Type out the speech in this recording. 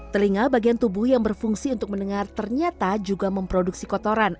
telinga bagian tubuh yang berfungsi untuk mendengar ternyata juga memproduksi kotoran